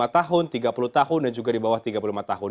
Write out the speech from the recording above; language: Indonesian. lima tahun tiga puluh tahun dan juga di bawah tiga puluh lima tahun